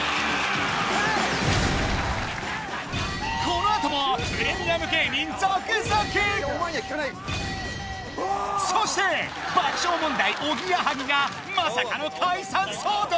このあともプレミアム芸人続々そして爆笑問題おぎやはぎがまさかの解散騒動？